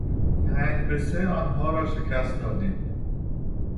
پنج به سه آنها را شکست دادیم.